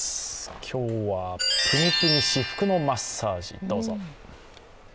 今日は、ぷにぷに至福のマッサージどうぞ。